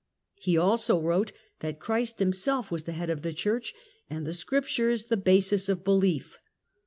He also wrote that Christ Him self was the Head of the Church and the Scriptures the basis of belief.